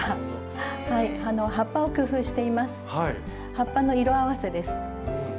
葉っぱの色合わせです。